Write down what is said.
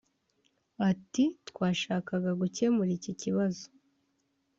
Ati “Twashakaga gukemura iki kibazo